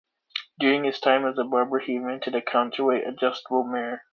During his time as a barber, he invented a counterweight-adjustable mirror.